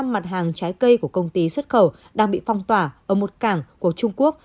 một trăm linh mặt hàng trái cây của công ty xuất khẩu đang bị phong tỏa ở một cảng của trung quốc